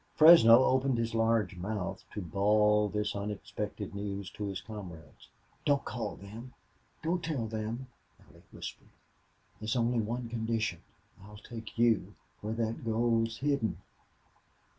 Fresno opened his large mouth to bawl this unexpected news to his comrades. "Don't call them don't tell them," Allie whispered. "There's only one condition. I'll take you where that gold's hidden."